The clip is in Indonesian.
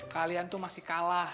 kalian tuh masih kalah